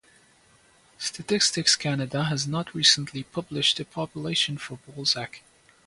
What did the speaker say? Statistics Canada has not recently published a population for Balzac.